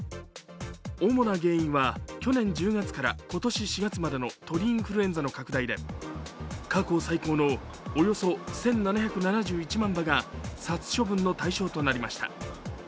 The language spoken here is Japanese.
主な原因は去年１０月から今年４月までの鳥インフルエンザの拡大で、過去最高のおよそ１７７１万羽が殺処分の対象となりました。